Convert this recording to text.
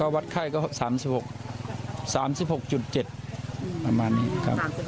วัดไข้ก็๓๖๗ประมาณนี้ครับ